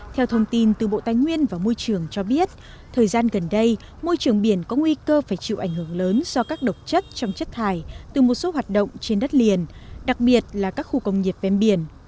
theo thông tin từ bộ tài nguyên và môi trường cho biết thời gian gần đây môi trường biển có nguy cơ phải chịu ảnh hưởng lớn do các độc chất trong chất thải từ một số hoạt động trên đất liền đặc biệt là các khu công nghiệp ven biển